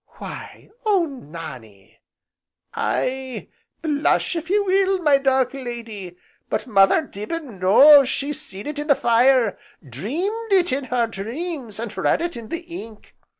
"Why oh Nannie !" "Aye, blush if ye will, my dark lady, but Mother Dibbin knows she's seen it in the fire, dreamed it in her dreams, and read it in the ink.